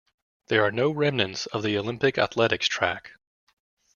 There are no remnants of the Olympic athletics track.